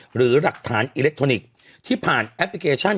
หรือหลักฐานอิเล็กทรอนิกส์ที่ผ่านแอปพลิเคชัน